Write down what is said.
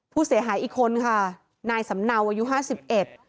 ผู้เสียหายอีกคนค่ะนายสำเนาอายุห้าสิบเอ็ด